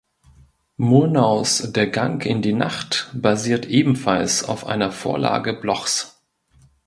Murnaus "Der Gang in die Nacht" basiert ebenfalls auf einer Vorlage Blochs.